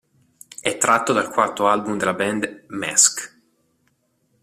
È tratto dal quarto album della band "Masque".